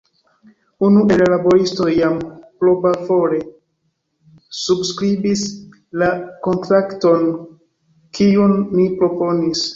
Unu el la laboristoj jam propravole subskribis la kontrakton kiun ni proponis.